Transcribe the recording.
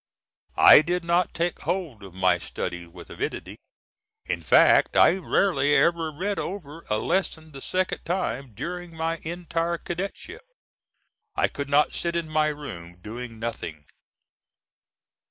I did not take hold of my studies with avidity, in fact I rarely ever read over a lesson the second time during my entire cadetship. I could not sit in my room doing nothing.